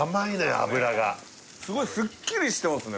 脂がすごいスッキリしてますね